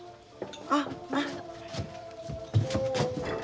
あっ。